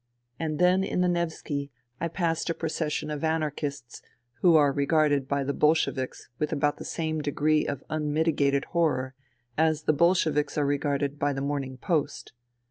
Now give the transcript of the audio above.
And then in the Nevski I passed a procession of Anarchists who are regarded by the Bolsheviks with about the same degree of unmitigated horror as the Bolsheviks are regarded by the Morning Post.